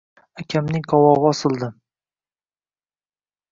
Akamning qovog‘i osildi.